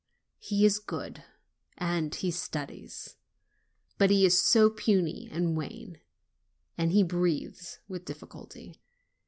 He is good, and he studies; but he is so puny and wan, and he breathes with difficulty.